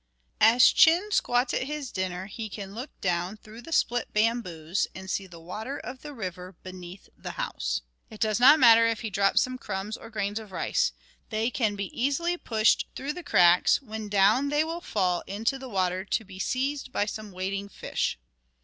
As Chin squats at his dinner he can look down through the split bamboos and see the water of the river beneath the house. It does not matter if he drops some crumbs or grains of rice. They can be easily pushed through the cracks, when down they will fall into the water to be seized by some waiting fish.